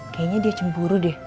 kayaknya dia cemburu deh